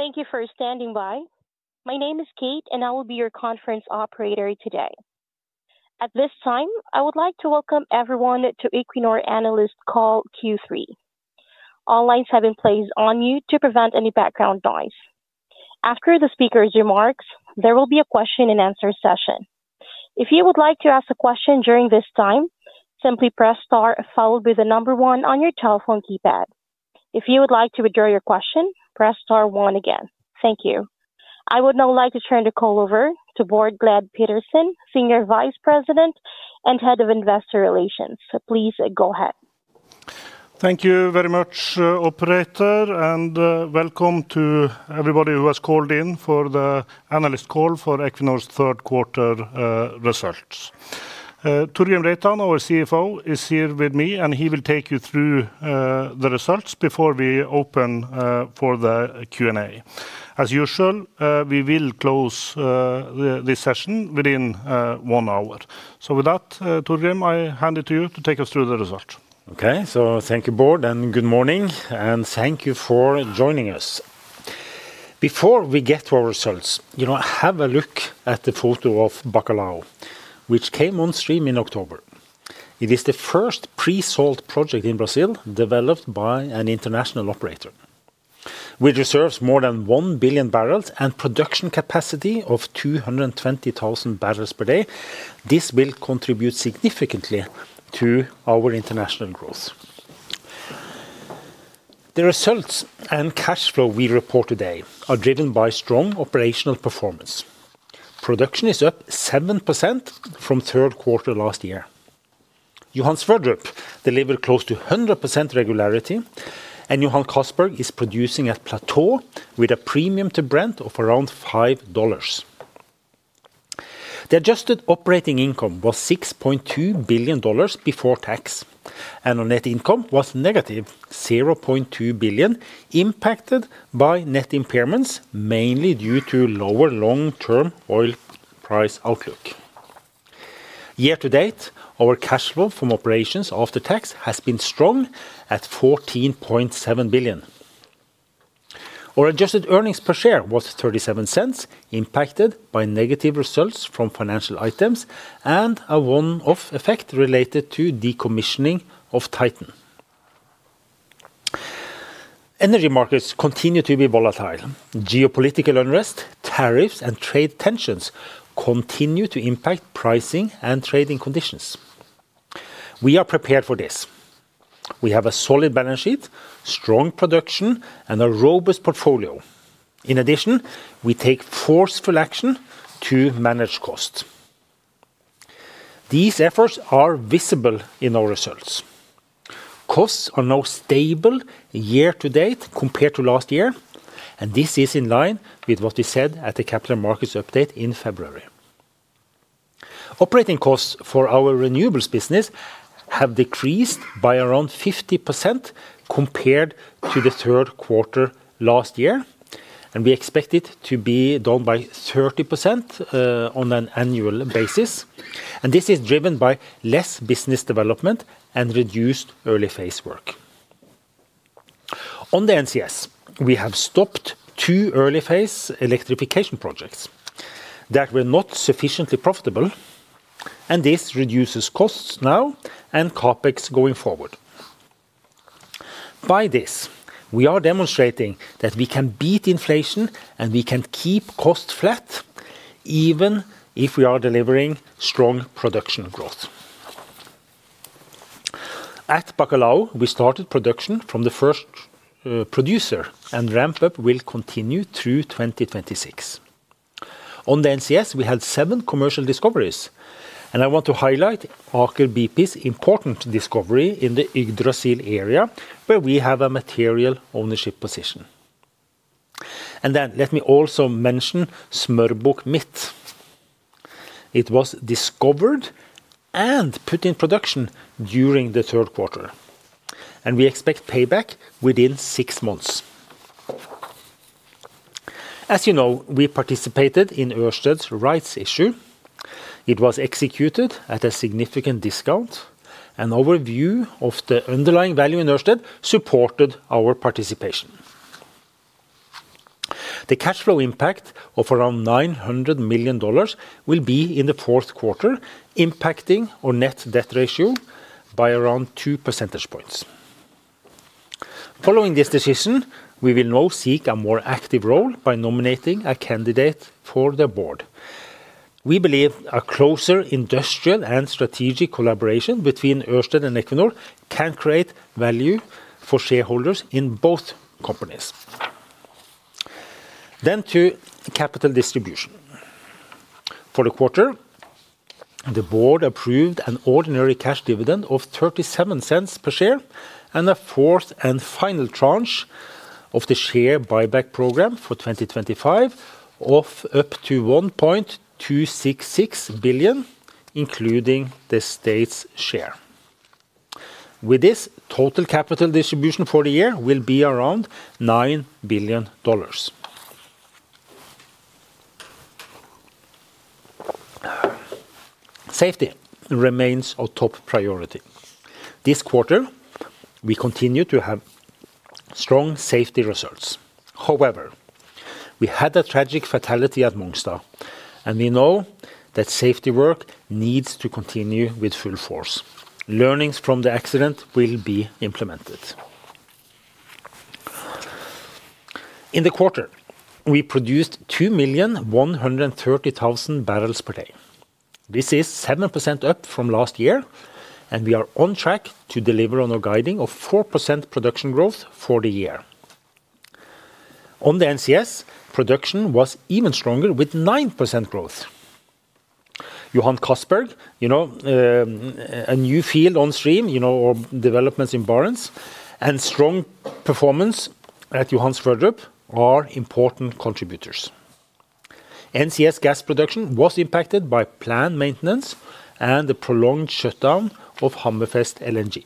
Thank you for standing by. My name is Kate, and I will be your conference operator today. At this time, I would like to welcome everyone to Equinor analyst call Q3. All lines have been placed on mute to prevent any background noise. After the speaker's remarks, there will be a question-and-answer session. If you would like to ask a question during this time, simply press star followed by the number one on your telephone keypad. If you would like to withdraw your question, press star one again. Thank you. I would now like to turn the call over to Bård Glad Pedersen, Senior Vice President and Head of Investor Relations. Please go ahead. Thank you very much, operator, and welcome to everybody who has called in for the analyst call for Equinor's third quarter results. Torgrim Reitan, our CFO, is here with me, and he will take you through the results before we open for the Q&A. As usual, we will close this session within one hour. With that, Torgrim, I hand it to you to take us through the results. Okay, thank you, Bård, and good morning, and thank you for joining us. Before we get to our results, have a look at the photo of Bacalhau, which came on stream in October. It is the first pre-salt project in Brazil developed by an international operator. With reserves of more than 1 billion barrels and a production capacity of 220,000 barrels per day, this will contribute significantly to our international growth. The results and cash flow we report today are driven by strong operational performance. Production is up 7% from the third quarter last year. Johan Sverdrup delivered close to 100% regularity, and Johan Castberg is producing at plateau with a premium to Brent of around $5. The adjusted operating income was $6.2 billion before tax, and our net income was -$0.2 billion, impacted by net impairments mainly due to lower long-term oil price outlook. Year to date, our cash flow from operations after tax has been strong at $14.7 billion. Our adjusted earnings per share was $0.37, impacted by negative results from financial items and a one-off effect related to decommissioning of Titan. Energy markets continue to be volatile. Geopolitical unrest, tariffs, and trade tensions continue to impact pricing and trading conditions. We are prepared for this. We have a solid balance sheet, strong production, and a robust portfolio. In addition, we take forceful action to manage costs. These efforts are visible in our results. Costs are now stable year to date compared to last year, and this is in line with what we said at the Capital Markets Update in February. Operating costs for our renewables business have decreased by around 50% compared to the third quarter last year, and we expect it to be down by 30% on an annual basis. This is driven by less business development and reduced early-phase work. On the NCS, we have stopped two early-phase electrification projects that were not sufficiently profitable, and this reduces costs now and CapEx going forward. By this, we are demonstrating that we can beat inflation and we can keep costs flat even if we are delivering strong production growth. At Bacalhau, we started production from the first producer, and ramp-up will continue through 2026. On the NCS, we had seven commercial discoveries, and I want to highlight Aker BP's important discovery in the Yggdrasil area where we have a material ownership position. I also want to mention Smørbukk Midt. It was discovered and put in production during the third quarter, and we expect payback within six months. As you know, we participated in Ørsted's rights issue. It was executed at a significant discount, and our view of the underlying value in Ørsted supported our participation. The cash flow impact of around $900 million will be in the fourth quarter, impacting our net debt ratio by around two percentage points. Following this decision, we will now seek a more active role by nominating a candidate for the board. We believe a closer industrial and strategic collaboration between Ørsted and Equinor can create value for shareholders in both companies. To capital distribution. For the quarter, the board approved an ordinary cash dividend of $0.37 per share and a fourth and final tranche of the share buyback program for 2025 of up to $1.266 billion, including the state's share. With this, total capital distribution for the year will be around $9 billion. Safety remains our top priority. This quarter, we continue to have strong safety results. However, we had a tragic fatality at Mongstad, and we know that safety work needs to continue with full force. Learnings from the accident will be implemented. In the quarter, we produced 2,130,000 bbl per day. This is 7% up from last year, and we are on track to deliver on our guiding of 4% production growth for the year. On the NCS, production was even stronger with 9% growth. Johan Castberg, a new field on stream, developments in Barents, and strong performance at Johan Sverdrup are important contributors. NCS gas production was impacted by planned maintenance and the prolonged shutdown of Hammerfest LNG.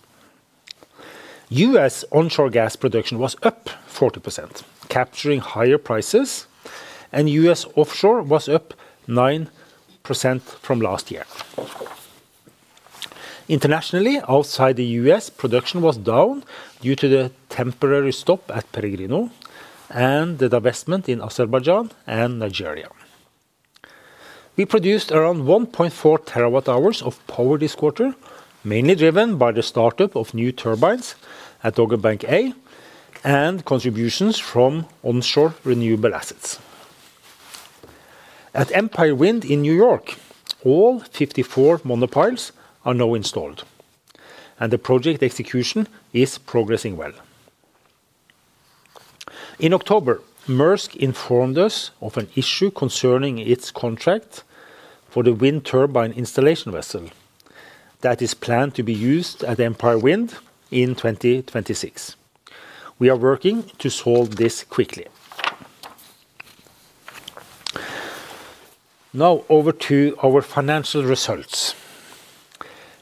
U.S. onshore gas production was up 40%, capturing higher prices, and U.S. offshore was up 9% from last year. Internationally, outside the U.S., production was down due to the temporary stop at Peregrino and the divestment in Azerbaijan and Nigeria. We produced around 1.4 terawatt-hours of power this quarter, mainly driven by the startup of new turbines at Dogger Bank A and contributions from onshore renewable assets. At Empire Wind in New York, all 54 monopiles are now installed, and the project execution is progressing well. In October, Maersk informed us of an issue concerning its contract for the wind turbine installation vessel that is planned to be used at Empire Wind in 2026. We are working to solve this quickly. Now, over to our financial results.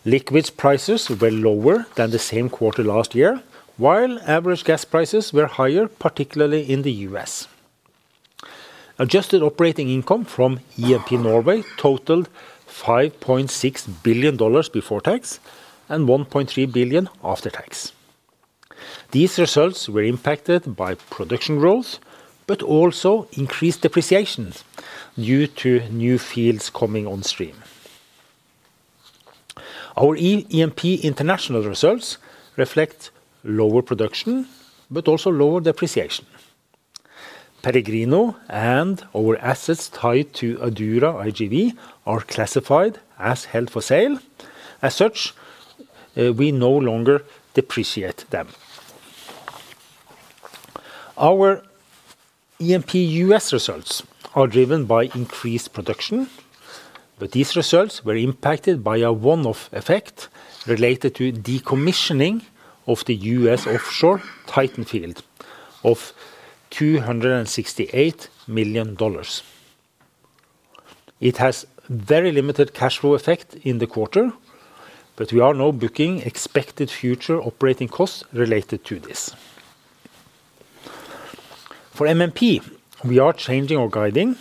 Liquids prices were lower than the same quarter last year, while average gas prices were higher, particularly in the U.S. Adjusted operating income from E&P Norway totaled $5.6 billion before tax and $1.3 billion after tax. These results were impacted by production growth, but also increased depreciation due to new fields coming on stream. Our E&P International results reflect lower production, but also lower depreciation. Peregrino and our assets tied to Adura IGV are classified as held for sale. As such, we no longer depreciate them. Our E&P U.S. results are driven by increased production, but these results were impacted by a one-off effect related to decommissioning of the U.S. offshore Titan field of $268 million. It has a very limited cash flow effect in the quarter, but we are now booking expected future operating costs related to this. For MMP, we are changing our guiding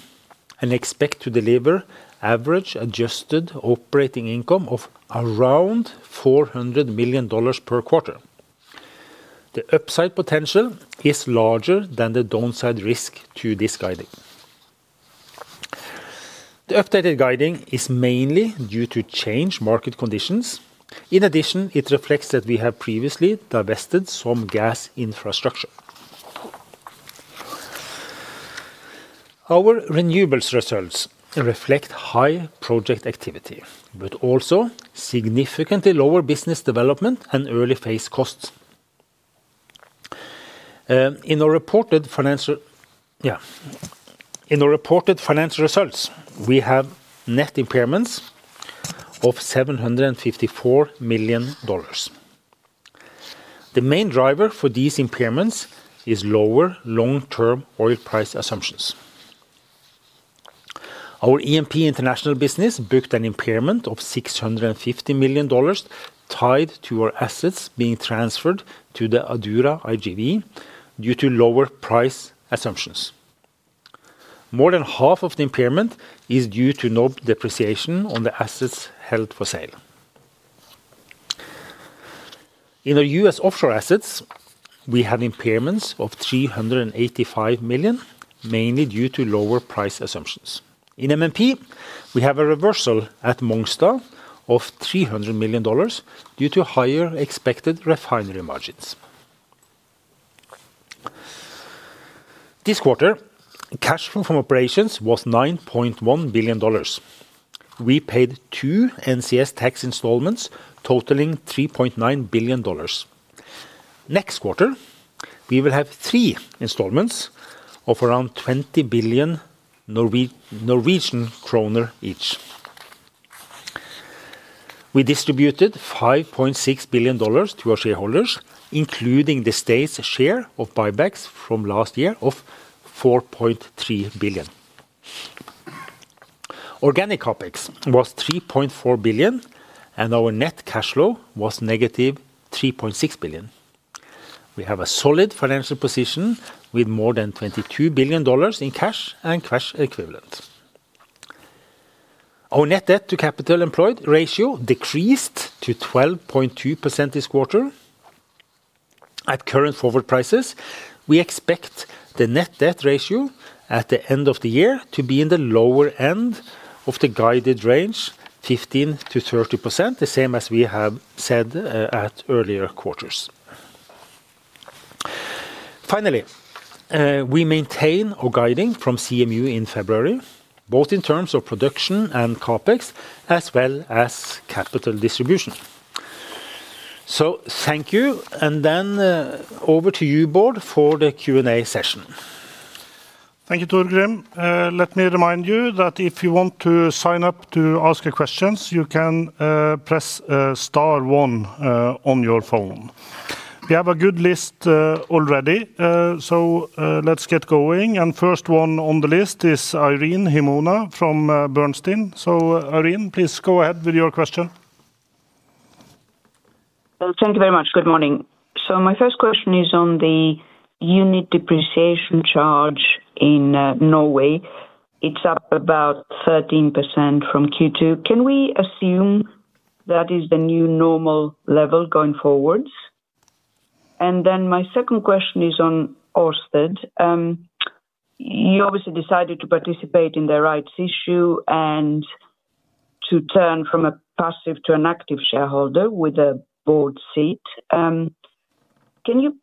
and expect to deliver average adjusted operating income of around $400 million per quarter. The upside potential is larger than the downside risk to this guiding. The updated guiding is mainly due to changed market conditions. In addition, it reflects that we have previously divested some gas infrastructure. Our renewables results reflect high project activity, but also significantly lower business development and early-phase costs. In our reported financial results, we have net impairments of $754 million. The main driver for these impairments is lower long-term oil price assumptions. Our E&P International business booked an impairment of $650 million tied to our assets being transferred to the Adura IGV due to lower price assumptions. More than half of the impairment is due to no depreciation on the assets held for sale. In our U.S. offshore assets, we had impairments of $385 million, mainly due to lower price assumptions. In MMP, we have a reversal at Mongstad of $300 million due to higher expected refinery margins. This quarter, cash flow from operations was $9.1 billion. We paid two NCS tax installments totaling $3.9 billion. Next quarter, we will have three installments of around 20 billion Norwegian kroner each. We distributed $5.6 billion to our shareholders, including the state's share of buybacks from last year of $4.3 billion. Organic CapEx was $3.4 billion, and our net cash flow was negative $3.6 billion. We have a solid financial position with more than $22 billion in cash and cash equivalent. Our net debt to capital employed ratio decreased to 12.2% this quarter. At current forward prices, we expect the net debt ratio at the end of the year to be in the lower end of the guided range, 15%-30%, the same as we have said at earlier quarters. Finally, we maintain our guiding from CMU in February, both in terms of production and CAPEX, as well as capital distribution. Thank you, and then over to you, Bård, for the Q&A session. Thank you, Torgrim. Let me remind you that if you want to sign up to ask questions, you can press star one on your phone. We have a good list already, so let's get going. The first one on the list is Irene Himona from Bernstein. Irene, please go ahead with your question. Thank you very much. Good morning. My first question is on the unit depreciation charge in Norway. It's up about 13% from Q2. Can we assume that is the new normal level going forwards? My second question is on Ørsted. You obviously decided to participate in the rights issue and to turn from a passive to an active shareholder with a board seat. Can you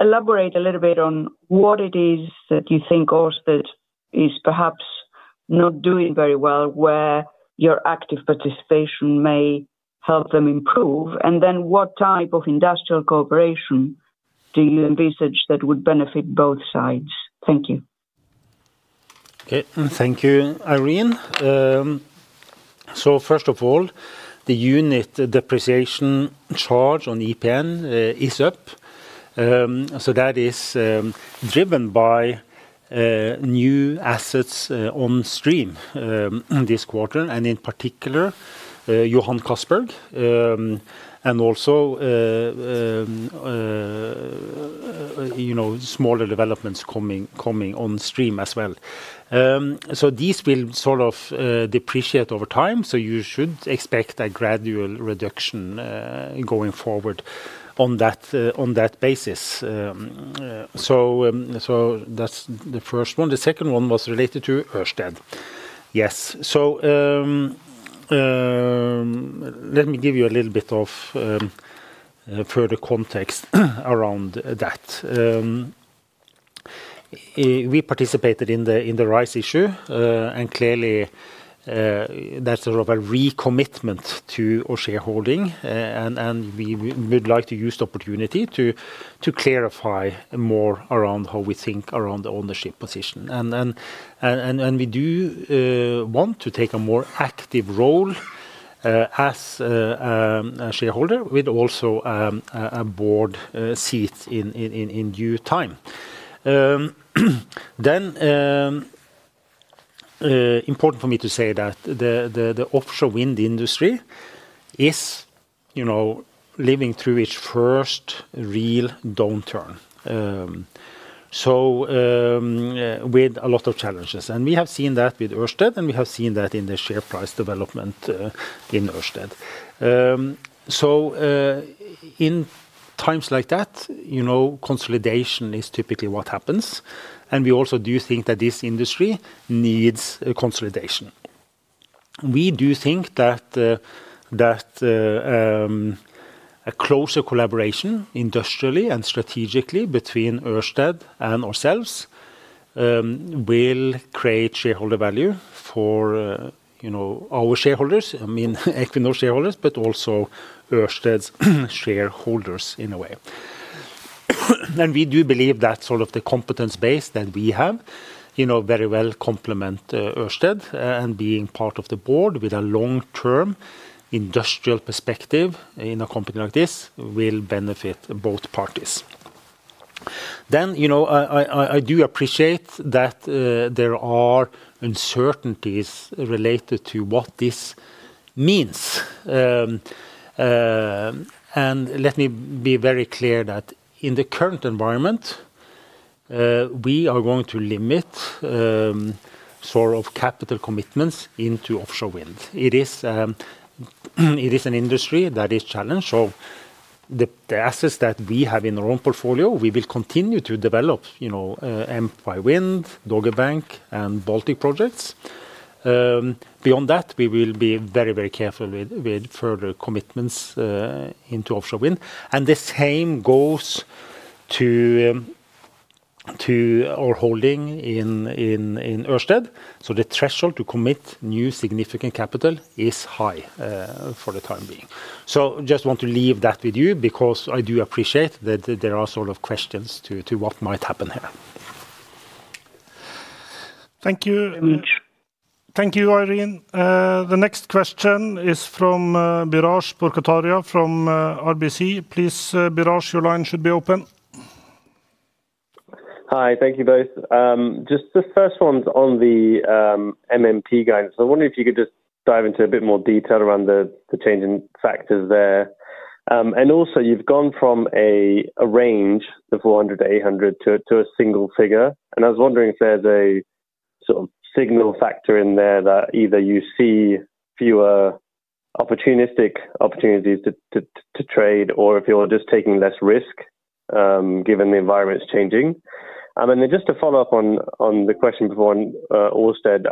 elaborate a little bit on what it is that you think Ørsted is perhaps not doing very well, where your active participation may help them improve? What type of industrial cooperation do you envisage that would benefit both sides? Thank you. Thank you, Irene. First of all, the unit depreciation charge on EPN is up. That is driven by new assets on stream this quarter, in particular, Johan Castberg, and also smaller developments coming on stream as well. These will depreciate over time, so you should expect a gradual reduction going forward on that basis. The second one was related to Ørsted. Yes, let me give you a little bit of further context around that. We participated in the rights issue, and clearly, that's a recommitment to our shareholding, and we would like to use the opportunity to clarify more around how we think around the ownership position. We do want to take a more active role as a shareholder with also a board seat in due time. It is important for me to say that the offshore wind industry is living through its first real downturn, with a lot of challenges. We have seen that with Ørsted, and we have seen that in the share price development in Ørsted. In times like that, consolidation is typically what happens, and we also do think that this industry needs consolidation. We do think that a closer collaboration industrially and strategically between Ørsted and ourselves will create shareholder value for our shareholders, I mean Equinor shareholders, but also Ørsted's shareholders in a way. We do believe that the competence base that we have very well complements Ørsted, and being part of the board with a long-term industrial perspective in a company like this will benefit both parties. I do appreciate that there are uncertainties related to what this means. Let me be very clear that in the current environment, we are going to limit capital commitments into offshore wind. It is an industry that is challenged, so the assets that we have in our own portfolio, we will continue to develop Empire Wind, Dogger Bank, and Baltic projects. Beyond that, we will be very, very careful with further commitments into offshore wind. The same goes to our holding in Ørsted, so the threshold to commit new significant capital is high for the time being. I just want to leave that with you because I do appreciate that there are questions to what might happen here. Thank you. Very much. Thank you, Irene. The next question is from Biraj Borkhataria from RBC. Please, Biraj, your line should be open. Hi, thank you both. The first one's on the MMP guidance. I wonder if you could just dive into a bit more detail around the changing factors there. Also, you've gone from a range, the 400-800, to a single figure. I was wondering if there's a sort of signal factor in there that either you see fewer opportunistic opportunities to trade or if you're just taking less risk given the environment's changing. To follow up on the question before on Ørsted,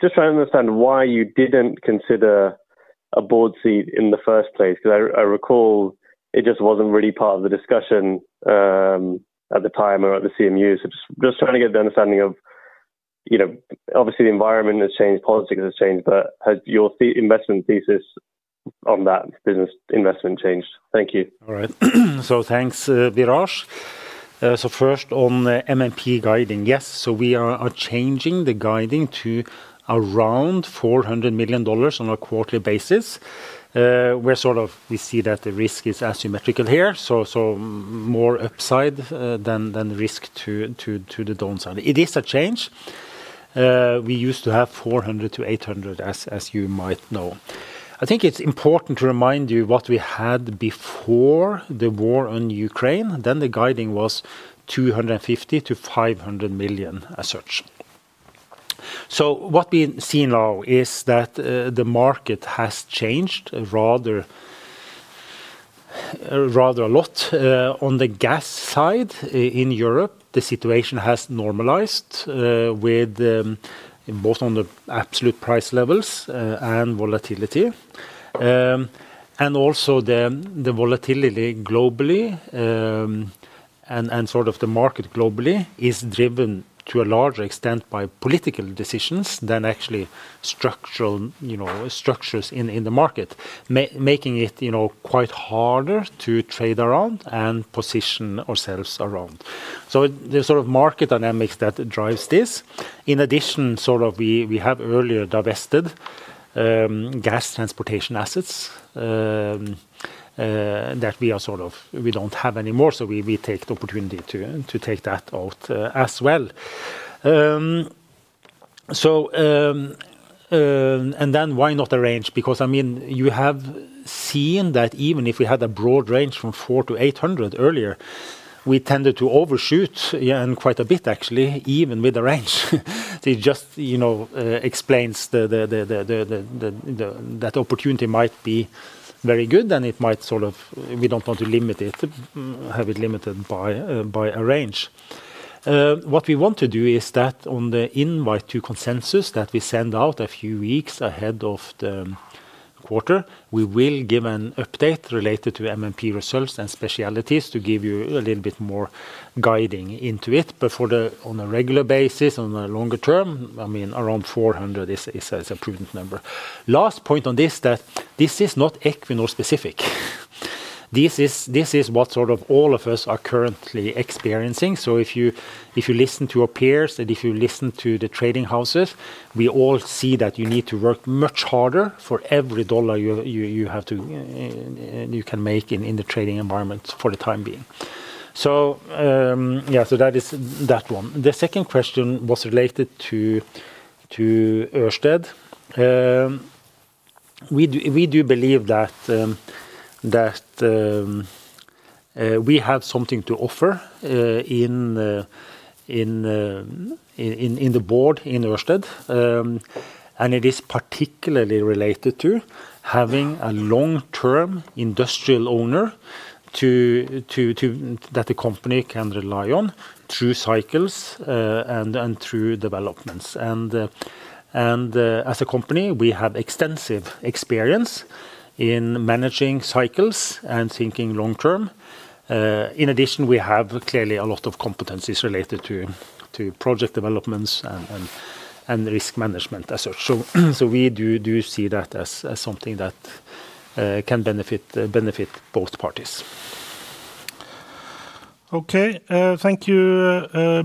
just trying to understand why you didn't consider a board seat in the first place because I recall it just wasn't really part of the discussion at the time or at the CMU. Just trying to get the understanding of, you know, obviously the environment has changed, politics has changed, but has your investment thesis on that business investment changed? Thank you. All right. Thanks, Biraj. First on the MMP guiding, yes. We are changing the guiding to around $400 million on a quarterly basis. We see that the risk is asymmetrical here, so more upside than risk to the downside. It is a change. We used to have $400million- $800 million, as you might know. I think it's important to remind you what we had before the war on Ukraine. Then the guiding was $250 million-$500 million as such. What we see now is that the market has changed rather a lot. On the gas side in Europe, the situation has normalized both on the absolute price levels and volatility. Also, the volatility globally and sort of the market globally is driven to a larger extent by political decisions than actually structures in the market, making it quite harder to trade around and position ourselves around. The sort of market dynamics drives this. In addition, we have earlier divested gas transportation assets that we don't have anymore, so we take the opportunity to take that out as well. Why not the range? I mean, you have seen that even if we had a broad range from $400 million-$800 million earlier, we tended to overshoot quite a bit, actually, even with the range. It just explains that opportunity might be very good and we don't want to have it limited by a range. What we want to do is that on the invite to consensus that we send out a few weeks ahead of the quarter, we will give an update related to MMP results and specialties to give you a little bit more guiding into it. On a regular basis, on a longer term, around $400 million is a prudent number. Last point on this is that this is not Equinor specific. This is what all of us are currently experiencing. If you listen to our peers and if you listen to the trading houses, we all see that you need to work much harder for every dollar you can make in the trading environment for the time being. That is that one. The second question was related to Ørsted. We do believe that we have something to offer in the board in Ørsted. It is particularly related to having a long-term industrial owner that the company can rely on through cycles and through developments. As a company, we have extensive experience in managing cycles and thinking long term. In addition, we have clearly a lot of competencies related to project developments and risk management as such. We do see that as something that can benefit both parties. Okay, thank you,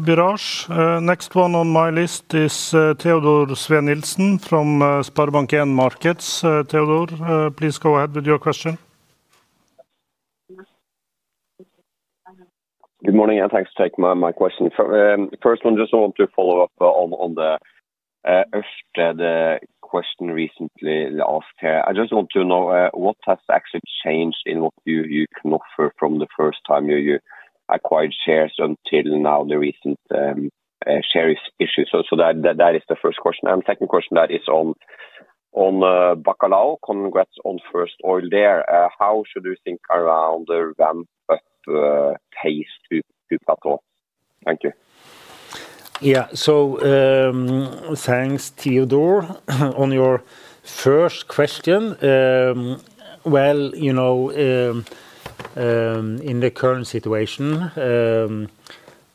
Biraj. Next one on my list is Teodor Sveen-Nilsen from SpareBank 1 Markets. Theodor, please go ahead with your question. Good morning, and thanks for taking my question. First one, just want to follow up on the Ørsted question recently asked here. I just want to know what has actually changed in what you can offer from the first time you acquired shares until now, the recent share issue. That is the first question. The second question is on Bacalhau. Congrats on first oil there. How should you think around the ramp-up pace to plateau? Thank you. Yeah, thanks, Theodor, on your first question. In the current situation,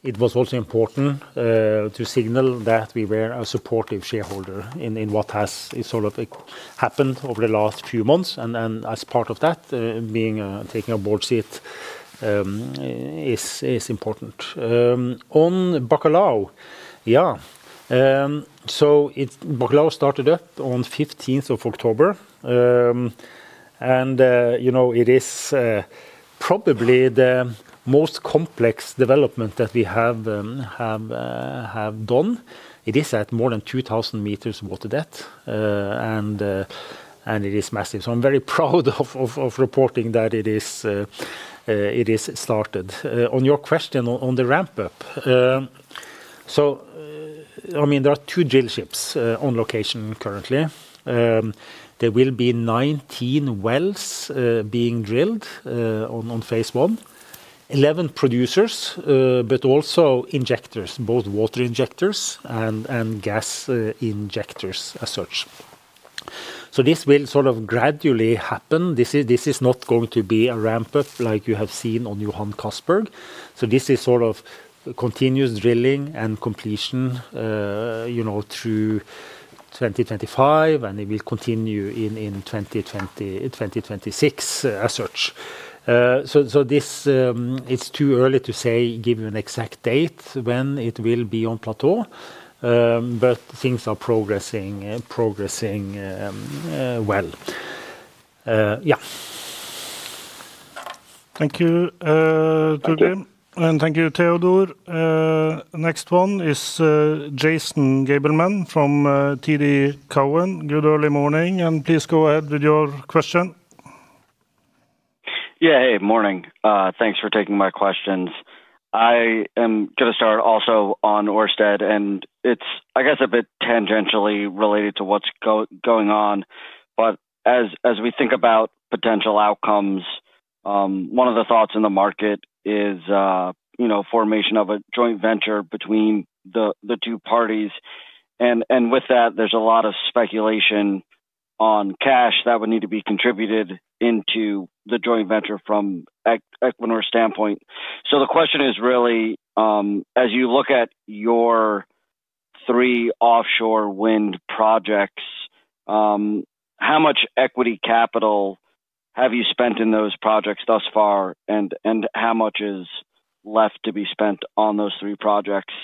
it was also important to signal that we were a supportive shareholder in what has sort of happened over the last few months. As part of that, taking a board seat is important. On Bacalhau, yeah, Bacalhau started up on the 15th of October. It is probably the most complex development that we have done. It is at more than 2,000 m water depth, and it is massive. I'm very proud of reporting that it is started. On your question on the ramp-up, there are two drill ships on location currently. There will be 19 wells being drilled on phase I, 11 producers, but also injectors, both water injectors and gas injectors as such. This will sort of gradually happen. This is not going to be a ramp-up like you have seen on Johan Castberg. This is sort of continuous drilling and completion through 2025, and it will continue in 2026 as such. It's too early to say, give you an exact date when it will be on plateau, but things are progressing well. Yeah. Thank you, Torgrim. Thank you, Theodor. Next one is Jason Gabelman from TD Cowen. Good early morning, and please go ahead with your question. Yeah, hey, morning. Thanks for taking my questions. I am going to start also on Ørsted, and it's, I guess, a bit tangentially related to what's going on. As we think about potential outcomes, one of the thoughts in the market is, you know, formation of a joint venture between the two parties. With that, there's a lot of speculation on cash that would need to be contributed into the joint venture from Equinor's standpoint. The question is really, as you look at your three offshore wind projects, how much equity capital have you spent in those projects thus far, and how much is left to be spent on those three projects?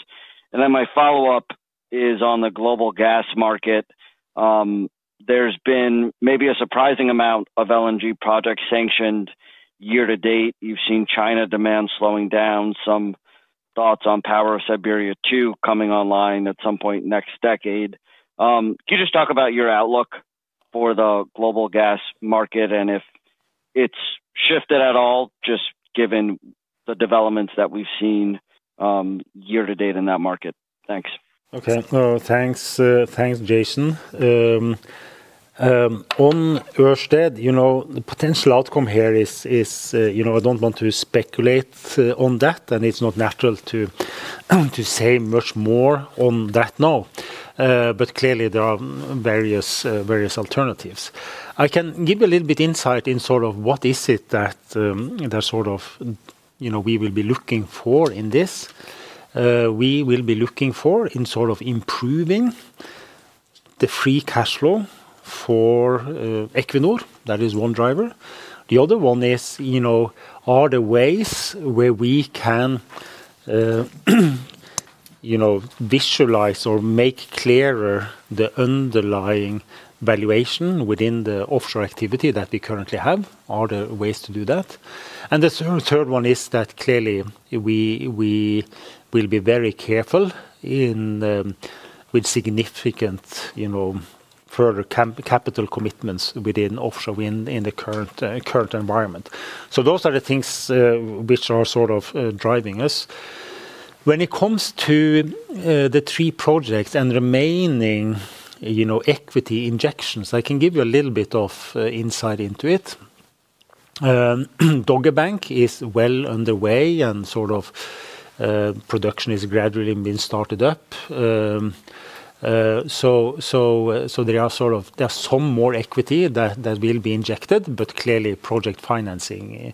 My follow-up is on the global gas market. There's been maybe a surprising amount of LNG projects sanctioned year to date. You've seen China demand slowing down. Some thoughts on Power of Siberia 2 coming online at some point next decade. Can you just talk about your outlook for the global gas market and if it's shifted at all, just given the developments that we've seen year to date in that market? Thanks. Okay. Thanks, Jason. On Ørsted, the potential outcome here is, you know, I don't want to speculate on that, and it's not natural to say much more on that now. Clearly, there are various alternatives. I can give you a little bit of insight in sort of what is it that, you know, we will be looking for in this. We will be looking for improving the free cash flow for Equinor. That is one driver. The other one is, you know, are there ways where we can visualize or make clearer the underlying valuation within the offshore activity that we currently have? Are there ways to do that? The third one is that clearly, we will be very careful with significant further capital commitments within offshore wind in the current environment. Those are the things which are driving us. When it comes to the three projects and remaining equity injections, I can give you a little bit of insight into it. Dogger Bank is well underway, and production is gradually being started up. There is some more equity that will be injected, but clearly, project financing,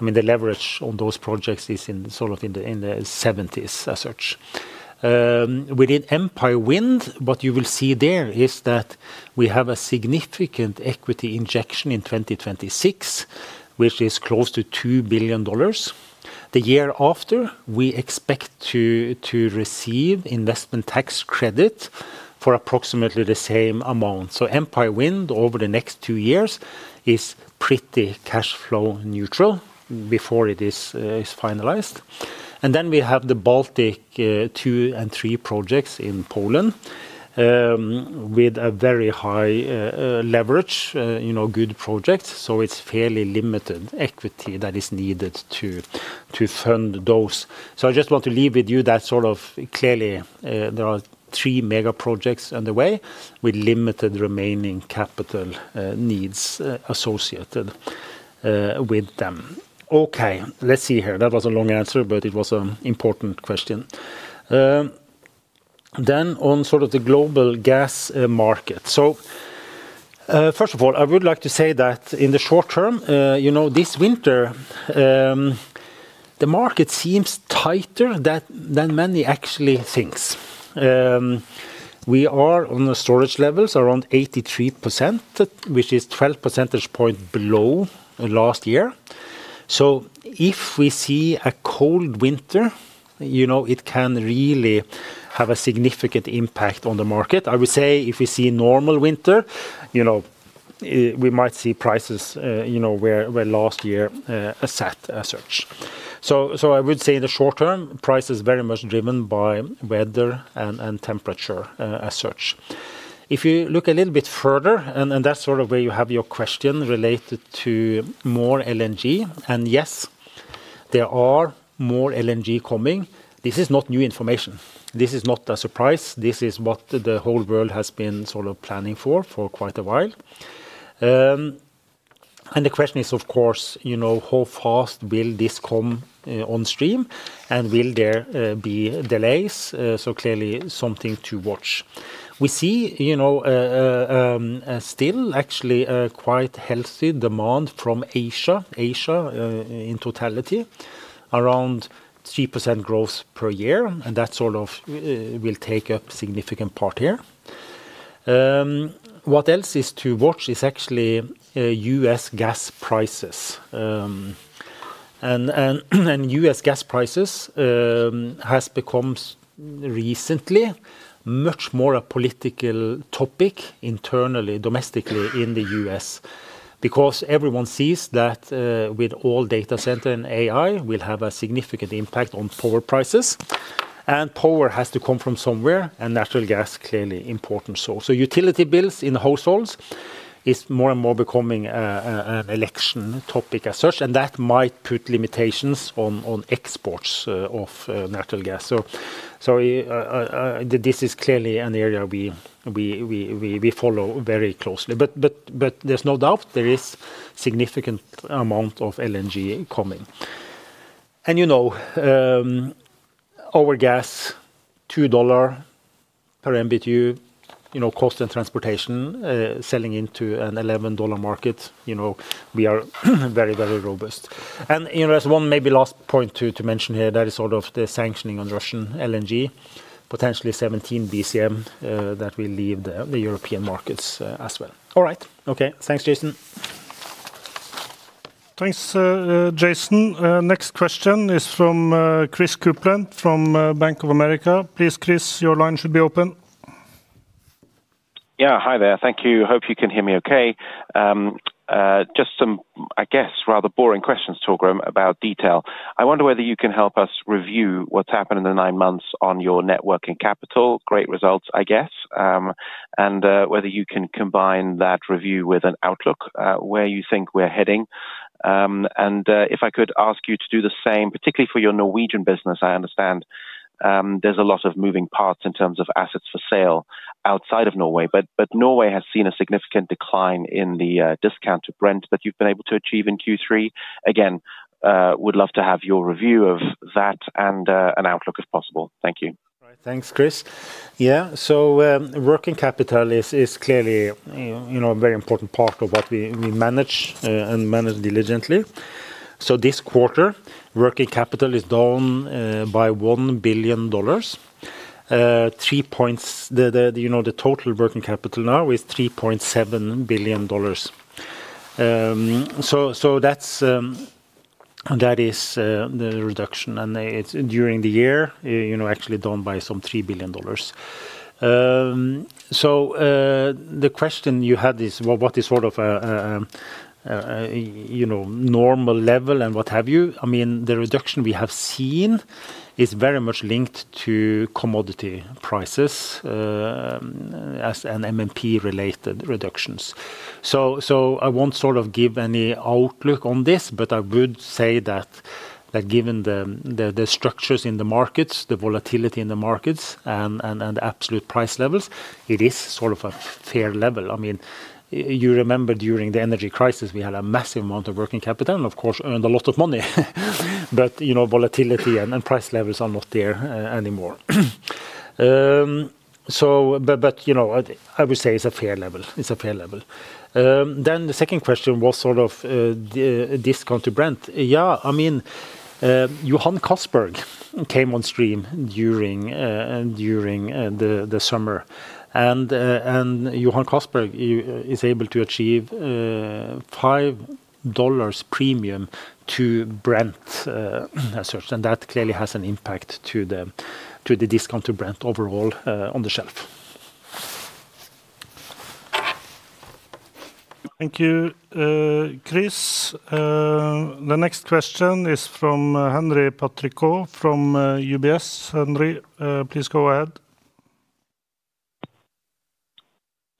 I mean, the leverage on those projects is in the 70% range as such. Within Empire Wind, what you will see there is that we have a significant equity injection in 2026, which is close to $2 billion. The year after, we expect to receive investment tax credit for approximately the same amount. Empire Wind over the next two years is pretty cash flow neutral before it is finalized. Then we have the Baltic 2 and 3 projects in Poland with a very high leverage, good projects. It is fairly limited equity that is needed to fund those. I just want to leave with you that clearly, there are three mega projects underway with limited remaining capital needs associated with them. Let's see here. That was a long answer, but it was an important question. On the global gas market, first of all, I would like to say that in the short term, this winter, the market seems tighter than many actually think. We are on the storage levels around 83%, which is 12% below last year. If we see a cold winter, it can really have a significant impact on the market. I would say if we see a normal winter, we might see prices where last year sat as such. I would say in the short term, prices are very much driven by weather and temperature as such. If you look a little bit further, and that's sort of where you have your question related to more LNG, yes, there are more LNG coming. This is not new information. This is not a surprise. This is what the whole world has been sort of planning for for quite a while. The question is, of course, you know, how fast will this come on stream and will there be delays? Clearly, something to watch. We see, you know, still actually quite healthy demand from Asia, Asia in totality, around 3% growth per year, and that sort of will take up a significant part here. What else is to watch is actually U.S. gas prices. U.S. gas prices have become recently much more a political topic internally, domestically in the U.S. because everyone sees that with all data center and AI, we'll have a significant impact on power prices. Power has to come from somewhere, and natural gas is clearly important. Utility bills in the households are more and more becoming an election topic as such, and that might put limitations on exports of natural gas. This is clearly an area we follow very closely. There's no doubt there is a significant amount of LNG coming. You know, our gas, $2 per MBTU, you know, cost and transportation selling into an $11 market, you know, we are very, very robust. As one maybe last point to mention here, that is sort of the sanctioning on Russian LNG, potentially 17 BCM that will leave the European markets as well. All right. Okay. Thanks, Jason. Thanks, Jason. Next question is from Kris Copeland from Bank of America. Please, Kris, your line should be open. Yeah, hi there. Thank you. Hope you can hear me okay. Just some, I guess, rather boring questions, Torgrim, about detail. I wonder whether you can help us review what's happened in the nine months on your net working capital. Great results, I guess. Whether you can combine that review with an outlook where you think we're heading. If I could ask you to do the same, particularly for your Norwegian business. I understand there's a lot of moving parts in terms of assets for sale outside of Norway, but Norway has seen a significant decline in the discount to Brent that you've been able to achieve in Q3. Would love to have your review of that and an outlook if possible. Thank you. Thanks, Kris. Yeah, so working capital is clearly a very important part of what we manage and manage diligently. This quarter, working capital is down by $1 billion. The total working capital now is $3.7 billion. That is the reduction, and it's during the year, actually down by some $3 billion. The question you had is what is sort of a normal level and what have you. The reduction we have seen is very much linked to commodity prices as an MMP-related reduction. I won't sort of give any outlook on this, but I would say that given the structures in the markets, the volatility in the markets, and the absolute price levels, it is sort of a fair level. You remember during the energy crisis, we had a massive amount of working capital and of course earned a lot of money. Volatility and price levels are not there anymore. I would say it's a fair level. It's a fair level. The second question was sort of discount to Brent. Johan Castberg came on stream during the summer, and Johan Castberg is able to achieve $5 premium to Brent as such. That clearly has an impact to the discount to Brent overall on the shelf. Thank you, Kris. The next question is from Henri Patricot from UBS. Henri, please go ahead.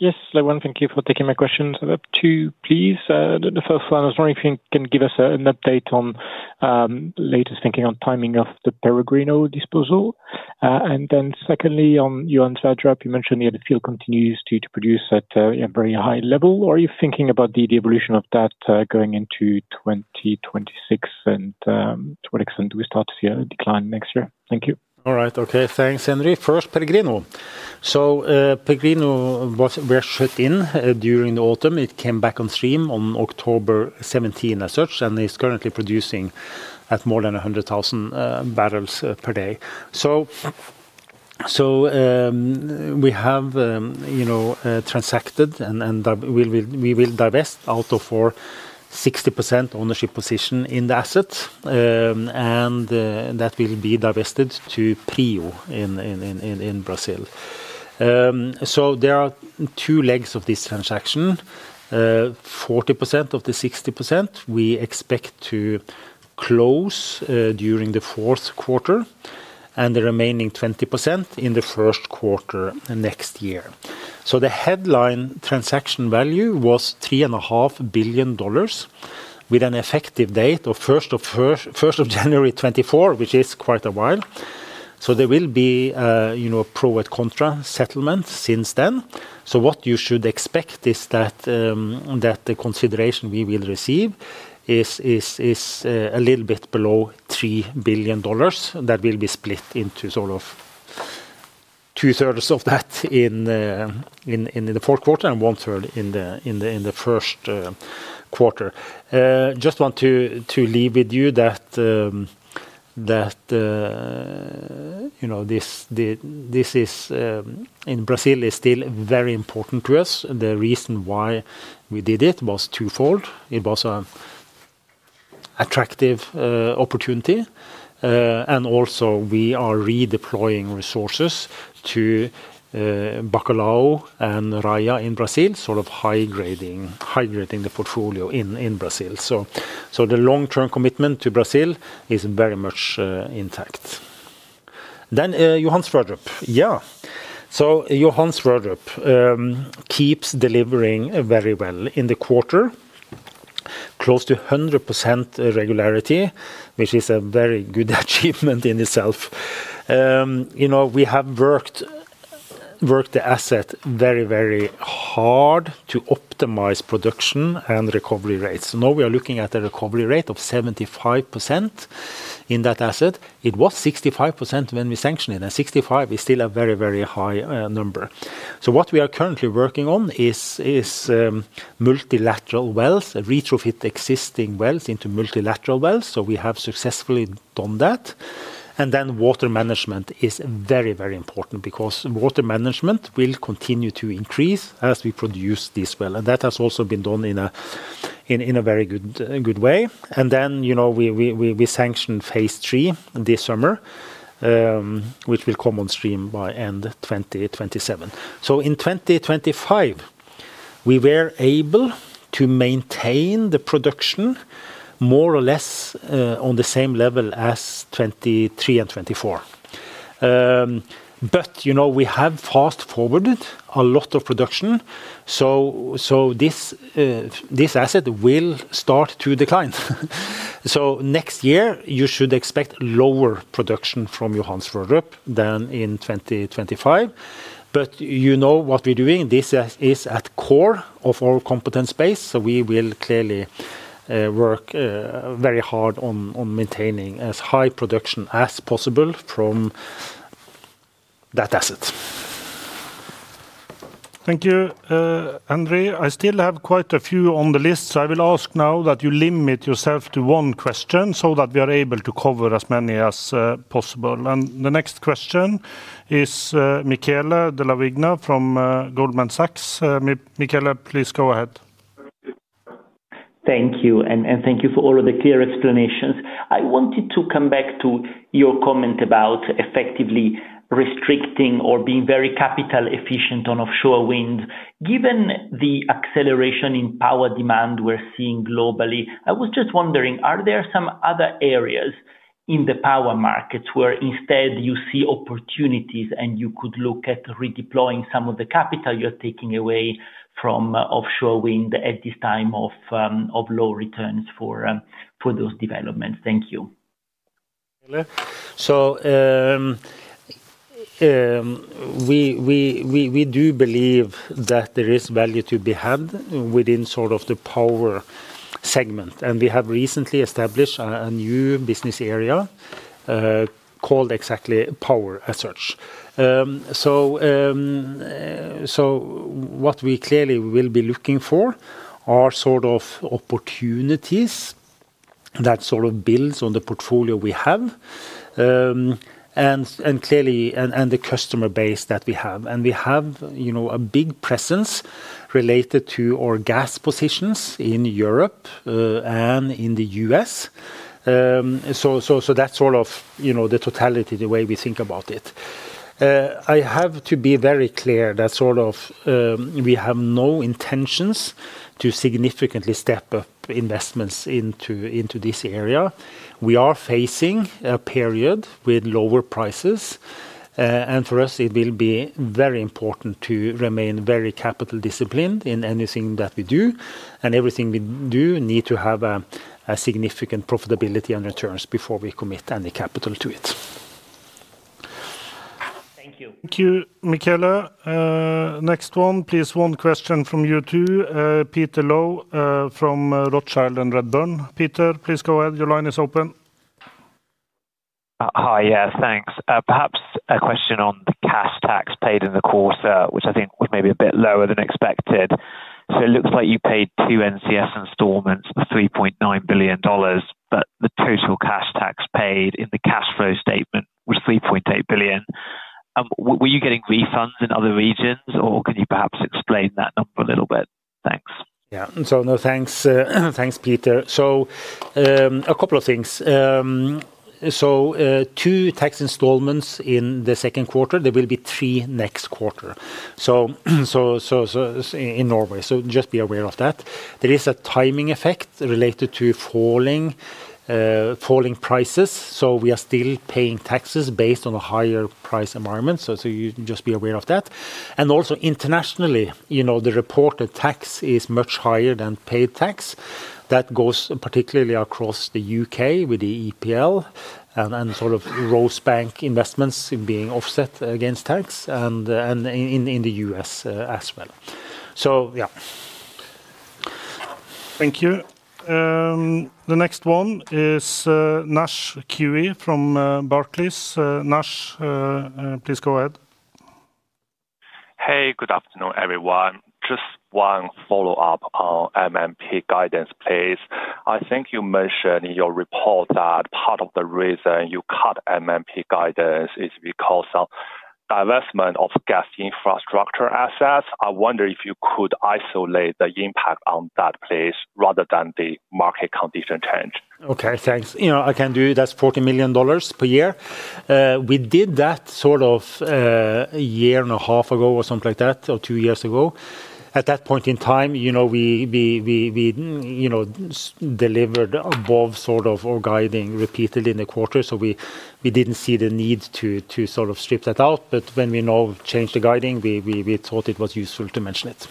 Yes, thank you for taking my questions. I have two, please. The first one, I was wondering if you can give us an update on the latest thinking on the timing of the Peregrino disposal. Secondly, on Johan Sverdrup, you mentioned the field continues to produce at a very high level. Are you thinking about the evolution of that going into 2026, and to what extent do we start to see a decline next year? Thank you. All right, okay, thanks, Henri. First, Peregrino. Peregrino was shut in during the autumn. It came back on stream on October 17th as such, and it's currently producing at more than 100,000 barrels per day. We have transacted, and we will divest out of our 60% ownership position in the assets, and that will be divested to PrIO in Brazil. There are two legs of this transaction. 40% of the 60% we expect to close during the fourth quarter, and the remaining 20% in the first quarter next year. The headline transaction value was $3.5 billion with an effective date of January 1, 2024, which is quite a while. There will be a pro et contra settlement since then. What you should expect is that the consideration we will receive is a little bit below $3 billion. That will be split into sort of two-thirds of that in the fourth quarter and one-third in the first quarter. I just want to leave with you that this is in Brazil, still very important to us. The reason why we did it was twofold. It was an attractive opportunity, and also we are redeploying resources to Bacalhau and Raia in Brazil, sort of high grading the portfolio in Brazil. The long-term commitment to Brazil is very much intact. Then Johan Sverdrup. Johan Sverdrup keeps delivering very well in the quarter, close to 100% regularity, which is a very good achievement in itself. We have worked the asset very, very hard to optimize production and recovery rates. Now we are looking at a recovery rate of 75% in that asset. It was 65% when we sanctioned it, and 65% is still a very, very high number. What we are currently working on is multilateral wells, retrofitting existing wells into multilateral wells. We have successfully done that. Water management is very, very important because water management will continue to increase as we produce this well. That has also been done in a very good way. We sanctioned phase III this summer, which will come on stream by end 2027. In 2025, we were able to maintain the production more or less on the same level as 2023 and 2024. We have fast forwarded a lot of production. This asset will start to decline. Next year, you should expect lower production from Johan Sverdrup than in 2025. You know what we're doing. This is at the core of our competence base. We will clearly work very hard on maintaining as high production as possible from that asset. Thank you, Henri. I still have quite a few on the list. I will ask now that you limit yourself to one question so that we are able to cover as many as possible. The next question is Michele Della Vigna from Goldman Sachs. Michele, please go ahead. Thank you, and thank you for all of the clear explanations. I wanted to come back to your comment about effectively restricting or being very capital-efficient on offshore wind. Given the acceleration in power demand we're seeing globally, I was just wondering, are there some other areas in the power markets where instead you see opportunities and you could look at redeploying some of the capital you're taking away from offshore wind at this time of low returns for those developments? Thank you. We do believe that there is value to be had within the power segment. We have recently established a new business area called exactly Power as such. What we clearly will be looking for are opportunities that build on the portfolio we have and clearly the customer base that we have. We have a big presence related to our gas positions in Europe and in the U.S. That is the totality, the way we think about it. I have to be very clear that we have no intentions to significantly step up investments into this area. We are facing a period with lower prices. For us, it will be very important to remain very capital disciplined in anything that we do. Everything we do needs to have significant profitability and returns before we commit any capital to it. Thank you. Thank you, Michele. Next one, please, one question from you too. Peter James Low from Redburn. Peter, please go ahead. Your line is open. Hi, yeah, thanks. Perhaps a question on the cash tax paid in the quarter, which I think was maybe a bit lower than expected. It looks like you paid two NCS installments of $3.9 billion, but the total cash tax paid in the cash flow statement was $3.8 billion. Were you getting refunds in other regions, or can you perhaps explain that number a little bit? Thanks. Yeah, thanks, Peter. A couple of things. Two tax installments in the second quarter. There will be three next quarter in Norway, so just be aware of that. There is a timing effect related to falling prices. We are still paying taxes based on a higher price environment, so just be aware of that. Also, internationally, the reported tax is much higher than paid tax. That goes particularly across the U.K. with the EPL and sort of Rosebank investments being offset against tax and in the U.S. as well. Thank you. The next one is [Nash Kiwi] from Barclays Bank PLC. Nash, please go ahead. Hey, good afternoon, everyone. Just one follow-up on MMP guidance, please. I think you mentioned in your report that part of the reason you cut MMP guidance is because of divestment of gas infrastructure assets. I wonder if you could isolate the impact on that, please, rather than the market condition change. Okay, thanks. I can do that. That's $40 million per year. We did that sort of a year and a half ago or something like that, or two years ago. At that point in time, we delivered above sort of our guiding repeatedly in the quarter. We didn't see the need to strip that out. When we now changed the guiding, we thought it was useful to mention it.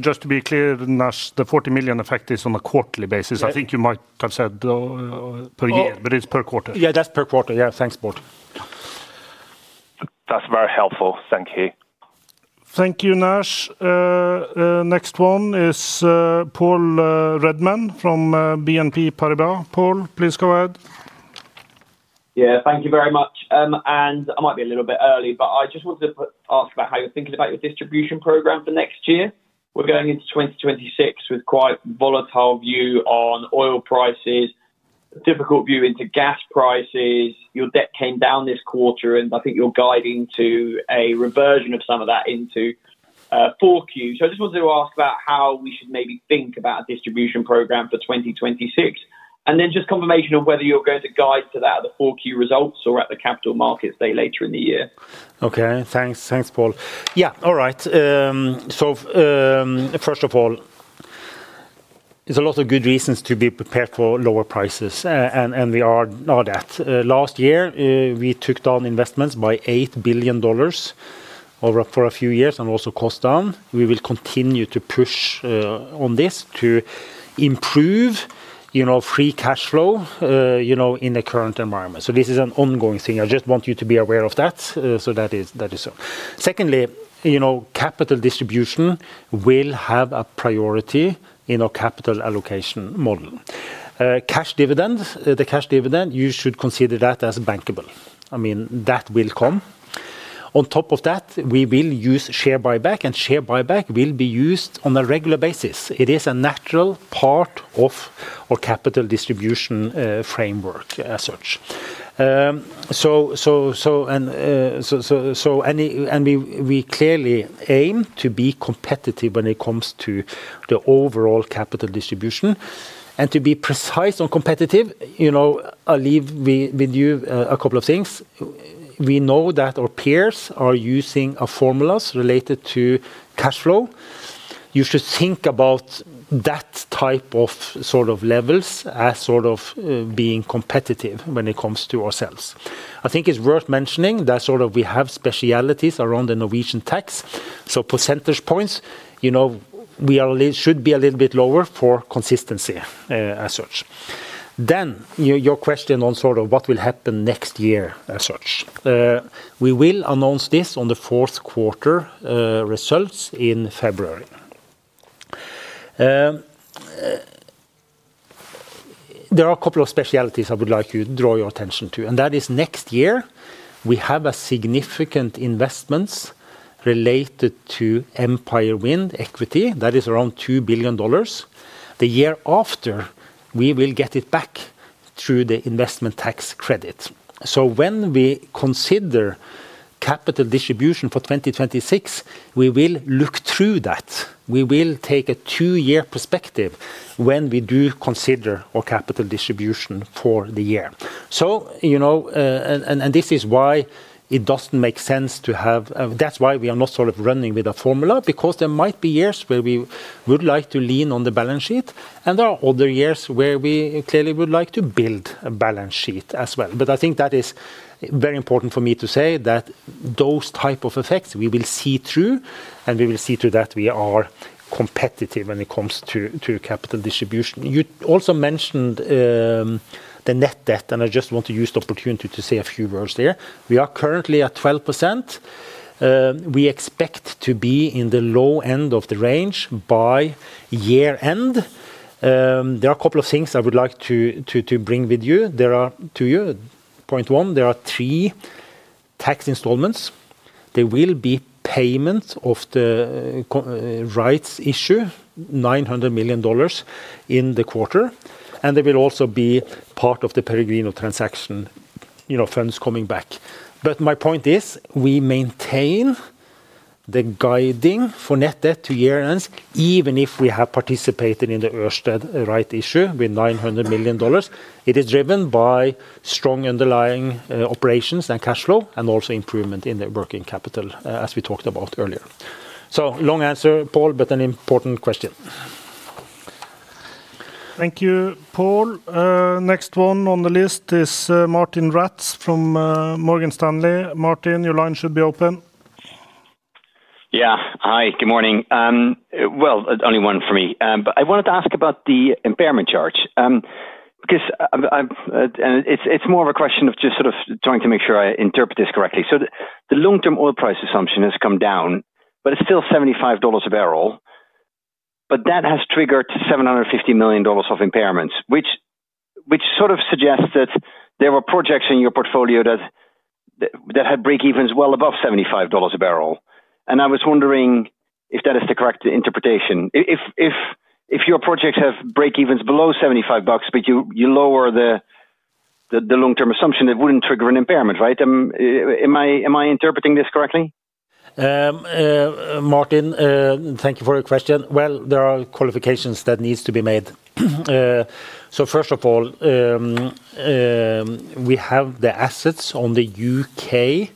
Just to be clear, Nash, the $40 million effect is on a quarterly basis. I think you might have said per year, but it's per quarter. Yeah, that's per quarter. Yeah, thanks, Bård. That's very helpful. Thank you. Thank you, Nash. Next one is Paul Redman from BNP Paribas. Paul, please go ahead. Thank you very much. I might be a little bit early, but I just wanted to ask about how you're thinking about your distribution program for next year. We're going into 2026 with quite a volatile view on oil prices, a difficult view into gas prices. Your debt came down this quarter, and I think you're guiding to a reversion of some of that into 4Q. I just wanted to ask about how we should maybe think about a distribution program for 2026. Then just confirmation on whether you're going to guide to that at the 4Q results or at the capital markets day later in the year. Okay, thanks, Paul. All right. First of all, there's a lot of good reasons to be prepared for lower prices, and we are at that. Last year, we took down investments by $8 billion over a few years and also cost down. We will continue to push on this to improve free cash flow in the current environment. This is an ongoing thing. I just want you to be aware of that. Secondly, capital distribution will have a priority in our capital allocation model. The cash dividend, you should consider that as bankable. I mean, that will come. On top of that, we will use share buyback, and share buyback will be used on a regular basis. It is a natural part of our capital distribution framework as such. We clearly aim to be competitive when it comes to the overall capital distribution. To be precise and competitive, I'll leave with you a couple of things. We know that our peers are using formulas related to cash flow. You should think about that type of sort of levels as being competitive when it comes to ourselves. I think it's worth mentioning that we have specialties around the Norwegian tax. So percentage points, we should be a little bit lower for consistency as such. Your question on what will happen next year as such. We will announce this on the fourth quarter results in February. There are a couple of specialties I would like you to draw your attention to. Next year, we have significant investments related to Empire Wind equity. That is around $2 billion. The year after, we will get it back through the investment tax credit. When we consider capital distribution for 2026, we will look through that. We will take a two-year perspective when we do consider our capital distribution for the year. This is why it doesn't make sense to have, that's why we are not running with a formula, because there might be years where we would like to lean on the balance sheet. There are other years where we clearly would like to build a balance sheet as well. I think that is very important for me to say that those types of effects we will see through, and we will see through that we are competitive when it comes to capital distribution. You also mentioned the net debt, and I just want to use the opportunity to say a few words there. We are currently at 12%. We expect to be in the low end of the range by year end. There are a couple of things I would like to bring with you. There are two of you. Point one, there are three tax installments. There will be payment of the rights issue, $900 million in the quarter. There will also be part of the Peregrino transaction, you know, funds coming back. My point is, we maintain the guiding for net debt to year end, even if we have participated in the Ørsted rights issue with $900 million. It is driven by strong underlying operations and cash flow, and also improvement in the working capital, as we talked about earlier. Long answer, Paul, but an important question. Thank you, Paul. Next one on the list is Martijn Rats from Morgan Stanley. Martijn, your line should be open. Yeah, hi, good morning. Only one for me. I wanted to ask about the impairment charge. It's more of a question of just sort of trying to make sure I interpret this correctly. The long-term oil price assumption has come down, but it's still $75 a barrel. That has triggered $750 million of impairments, which sort of suggests that there were projects in your portfolio that had break-evens well above $75 a barrel. I was wondering if that is the correct interpretation. If your projects have break-evens below $75, but you lower the long-term assumption, it wouldn't trigger an impairment, right? Am I interpreting this correctly? Martin, thank you for your question. There are qualifications that need to be made. First of all, we have the assets on the U.K. side,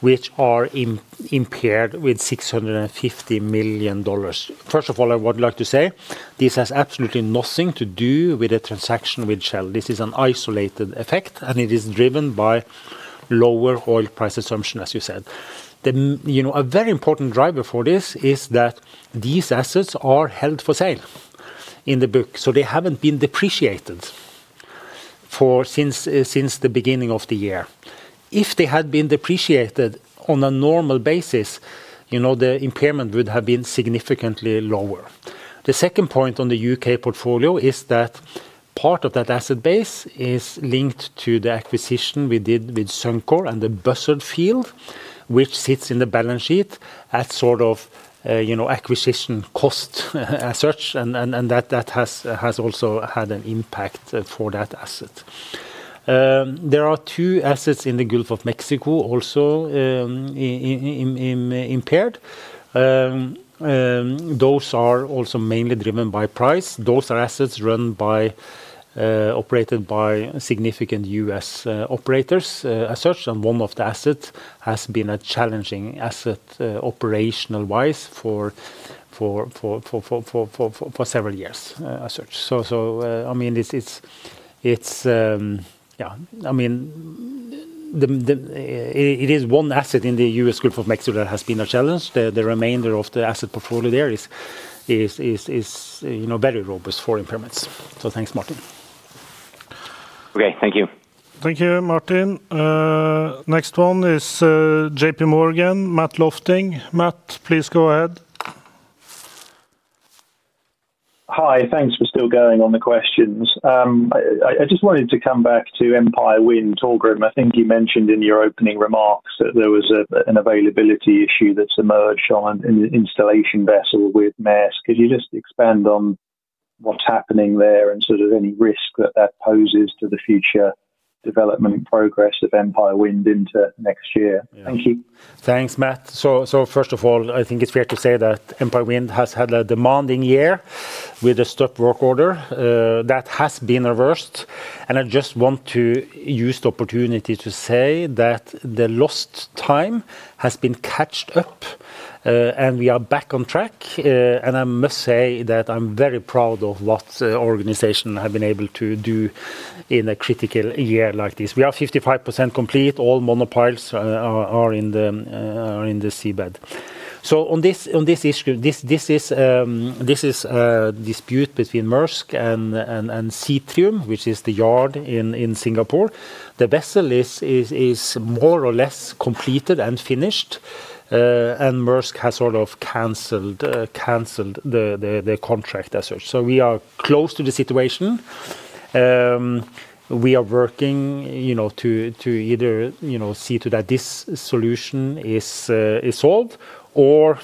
which are impaired with $650 million. I would like to say this has absolutely nothing to do with a transaction with Shell. This is an isolated effect, and it is driven by lower oil price assumption, as you said. A very important driver for this is that these assets are held for sale in the book. They haven't been depreciated since the beginning of the year. If they had been depreciated on a normal basis, the impairment would have been significantly lower. The second point on the U.K. portfolio is that part of that asset base is linked to the acquisition we did with Suncor and the Buzzard Field, which sits in the balance sheet as acquisition cost as such. That has also had an impact for that asset. There are two assets in the Gulf of Mexico also impaired. Those are also mainly driven by price. Those are assets operated by significant U.S. operators as such. One of the assets has been a challenging asset operational-wise for several years as such. It is one asset in the U.S. Gulf of Mexico that has been a challenge. The remainder of the asset portfolio there is very robust for impairments. Thanks, Martin. Okay, thank you. Thank you, Martijn. Next one is J.P. Morgan, Matthew Lofting. Matt, please go ahead. Hi, thanks for still going on the questions. I just wanted to come back to Empire Wind. Torgrim, I think you mentioned in your opening remarks that there was an availability issue that's emerged on an installation vessel with Maersk. Could you just expand on what's happening there and sort of any risk that that poses to the future development progress of Empire Wind into next year? Thank you. Thanks, Matt. First of all, I think it's fair to say that Empire Wind has had a demanding year with a stop work order that has been reversed. I just want to use the opportunity to say that the lost time has been caught up, and we are back on track. I must say that I'm very proud of what the organization has been able to do in a critical year like this. We are 55% complete. All monopiles are in the seabed. On this issue, this is a dispute between Maersk and Sembcorp, which is the yard in Singapore. The vessel is more or less completed and finished, and Maersk has canceled the contract as such. We are close to the situation. We are working to either see that this solution is solved or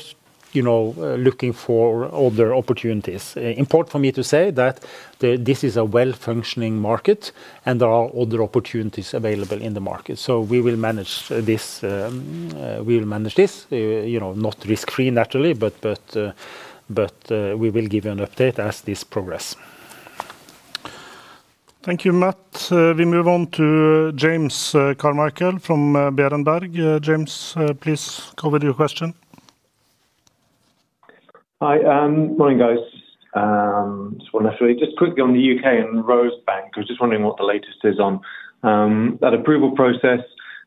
looking for other opportunities. It is important for me to say that this is a well-functioning market, and there are other opportunities available in the market. We will manage this, not risk-free naturally, but we will give you an update as this progresses. Thank you, Matt. We move on to James Carmichael from Berenberg. James, please go with your question. Hi, morning guys. I just want to quickly on the U.K. and Rosebank. I was just wondering what the latest is on that approval process.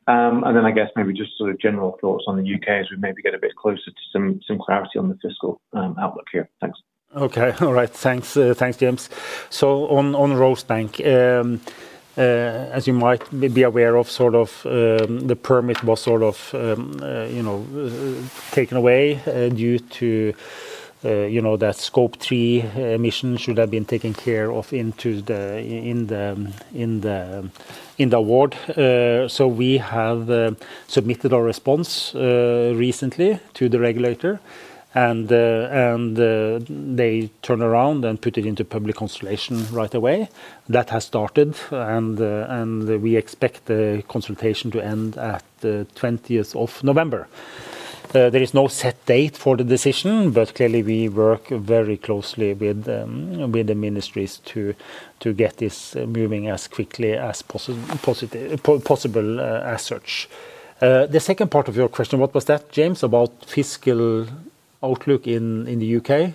I guess maybe just sort of general thoughts on the U.K. as we maybe get a bit closer to some clarity on the fiscal outlook here. Thanks. Okay, all right. Thanks, James. On Rosebank, as you might be aware, the permit was taken away due to that Scope 3 emission should have been taken care of in the award. We have submitted our response recently to the regulator, and they turned around and put it into public consultation right away. That has started, and we expect the consultation to end at the 20th of November. There is no set date for the decision, but clearly we work very closely with the ministries to get this moving as quickly as possible. The second part of your question, what was that, James, about fiscal outlook in the U.K.?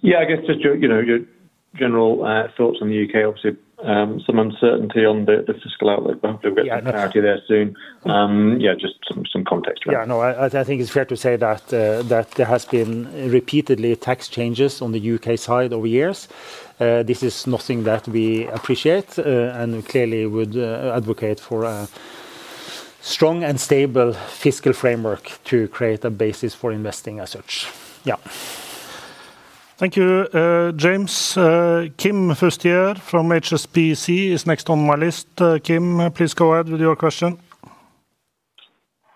Yeah, I guess just your general thoughts on the U.K. Obviously, some uncertainty on the fiscal outlook, but hopefully we'll get clarity there soon. Yeah, just some context. Yeah, no, I think it's fair to say that there have been repeatedly tax changes on the U.K. side over years. This is nothing that we appreciate and clearly would advocate for a strong and stable fiscal framework to create a basis for investing as such. Yeah. Thank you, James. Kim Anne-Laure Fustier from HSBC is next on my list. Kim, please go ahead with your question.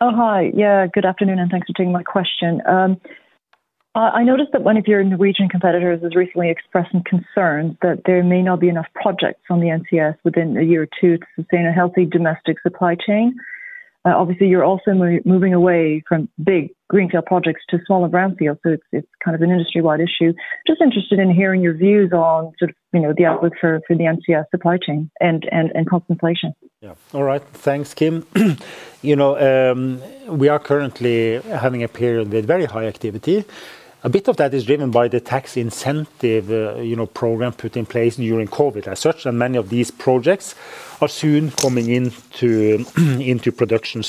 Hi, good afternoon, and thanks for taking my question. I noticed that one of your Norwegian competitors has recently expressed some concerns that there may not be enough projects on the NCS within a year or two to sustain a healthy domestic supply chain. Obviously, you're also moving away from big greenfield projects to smaller brownfields, so it's kind of an industry-wide issue. Just interested in hearing your views on the outlook for the NCS supply chain and cross-inflation. Yeah, all right. Thanks, Kim. We are currently having a period with very high activity. A bit of that is driven by the tax incentive program put in place during COVID as such, and many of these projects are soon coming into production.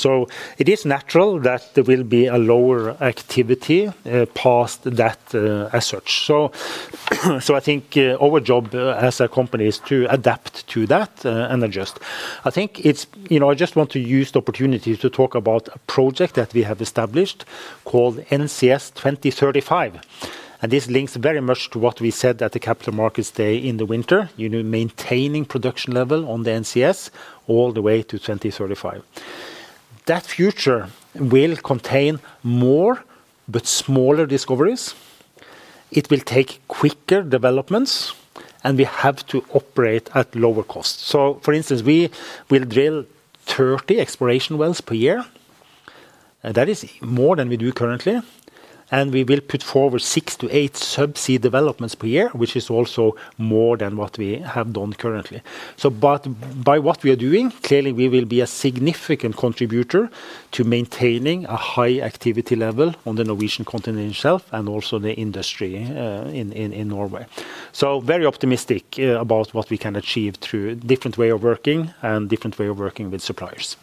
It is natural that there will be a lower activity past that as such. I think our job as a company is to adapt to that and adjust. I just want to use the opportunity to talk about a project that we have established called NCS 2035. This links very much to what we said at the Capital Markets Day in the winter, you know, maintaining production level on the NCS all the way to 2035. That future will contain more but smaller discoveries. It will take quicker developments, and we have to operate at lower costs. For instance, we will drill 30 exploration wells per year. That is more than we do currently. We will put forward six to eight subsea developments per year, which is also more than what we have done currently. By what we are doing, clearly we will be a significant contributor to maintaining a high activity level on the Norwegian Continental Shelf and also the industry in Norway. I am very optimistic about what we can achieve through a different way of working and a different way of working with suppliers.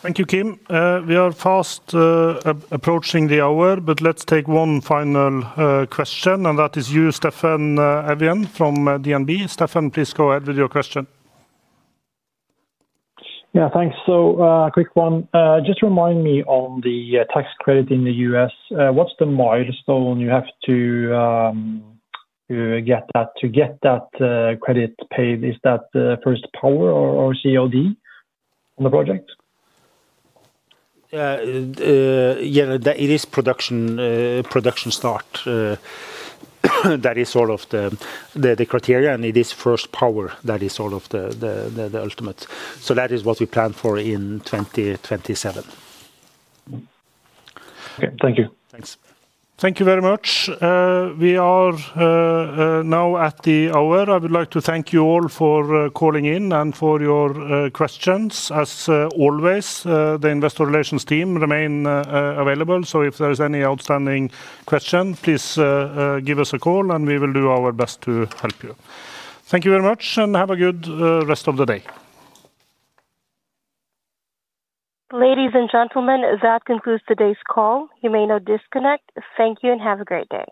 Thank you, Kim. We are fast approaching the hour, but let's take one final question, and that is you, Steffen Evjen from DNB. Stefan, please go ahead with your question. Thanks. Just remind me on the tax credit in the U.S. What's the milestone you have to get that credit paid? Is that first power or COD on the project? Yeah, it is production start. That is sort of the criteria, and it is first power that is sort of the ultimate. That is what we plan for in 2027. Okay, thank you. Thanks. Thank you very much. We are now at the hour. I would like to thank you all for calling in and for your questions. As always, the Investor Relations team remains available. If there is any outstanding question, please give us a call, and we will do our best to help you. Thank you very much, and have a good rest of the day. Ladies and gentlemen, that concludes today's call. You may now disconnect. Thank you and have a great day.